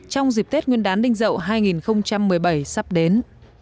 trong dịp tết nguyên đán đinh dậu hai nghìn một mươi bảy sắp đến